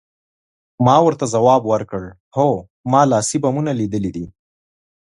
ما ورته ځواب ورکړ، هو، ما لاسي بمونه لیدلي دي.